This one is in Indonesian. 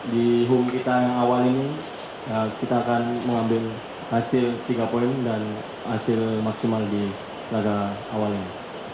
di home kita yang awal ini kita akan mengambil hasil tiga poin dan hasil maksimal di laga awal ini